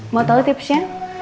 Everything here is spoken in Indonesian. mau tau tipsnya